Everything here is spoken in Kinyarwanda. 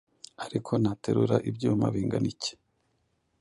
ariko naterura ibyuma bingana iki